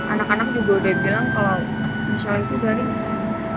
anak anak juga udah bilang kalau misalnya itu dari nisa